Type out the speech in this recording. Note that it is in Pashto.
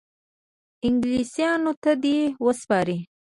انګلیسیانو ته دي وسپاري.